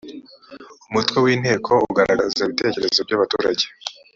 umutwe w’ inteko ugaragaza ibitekerezo byabaturage.